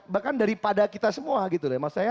bahkan daripada kita semua gitu deh